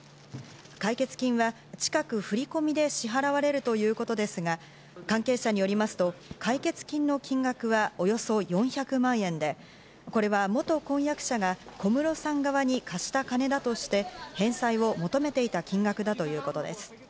解決金は近く、振り込みで支払われるということですが、関係者によりますと、解決金の金額はおよそ４００万円で、これは元婚約者が小室さん側に貸した金だとして、返済を求めていた金額だということです。